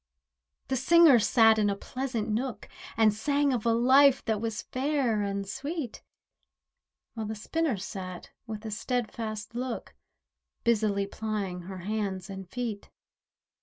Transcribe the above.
The singer sat in a pleasant nook, And sang of a life that was fair and sweet, While the spinner sat with a steadfast look, Busily plying her hands and feet.